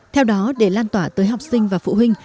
theo đó để lan tỏa tới học sinh và phụ huynh